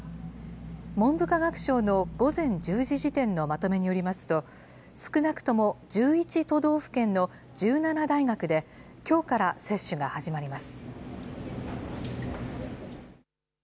文部科学省の午前１０時時点のまとめによりますと、少なくとも１１都道府県の１７大学で、きょうから接種が始まります。